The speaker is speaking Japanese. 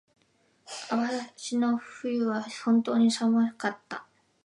網走の冬は本当に寒かった。